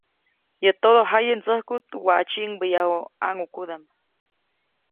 Yäʼ todojaye ndsäjkuʼt waʼajke tsyiʼŋbäyaju ʼãŋʼukudaʼm.